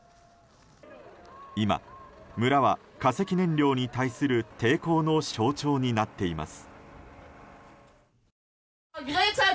今、村は化石燃料に対する抵抗の象徴になっています。